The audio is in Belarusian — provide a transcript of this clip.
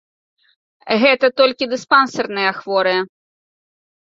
Гэта толькі дыспансерныя хворыя.